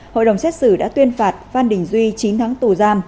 hội đồng xét xử đã tuyên phạt phan đình duy chín tháng tù giam